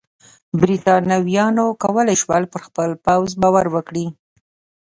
برېټانویانو کولای شول پر خپل پوځ باور وکړي.